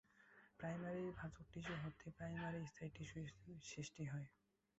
Primary ভাজক tissue হতে primary স্থায়ী টিস্যু সৃষ্টি হয়।